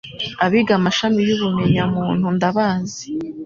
abiga amashami y'ubumenyamuntu ndabazi